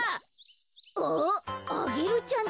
あアゲルちゃん